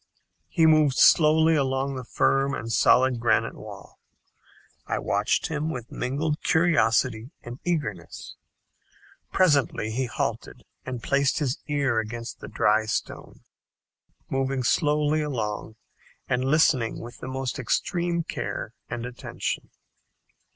He moved slowly along the firm and solid granite wall. I watched him with mingled curiosity and eagerness. Presently he halted and placed his ear against the dry stone, moving slowly along and listening with the most extreme care and attention.